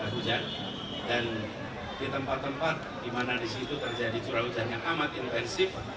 pengendalian hujan pengendalian air pada hujan dan di tempat tempat di mana disitu terjadi curah hujan yang amat intensif